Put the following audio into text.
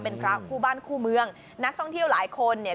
เป็นพระคู่บ้านคู่เมืองนักท่องเที่ยวหลายคนเนี่ย